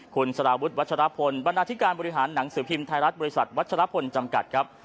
คุณสารวุฒิวัชรพลบรรณาธิการบริหารหนังสือพิมพ์ไทยรัฐบริษัทวัชรพลจำกัดครับ